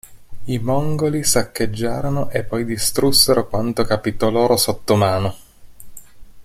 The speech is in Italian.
I Mongoli saccheggiarono e poi distrussero quanto capitò loro sotto mano.